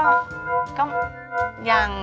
แล้วคุณพูดกับอันนี้ก็ไม่รู้นะผมว่ามันความเป็นส่วนตัวซึ่งกัน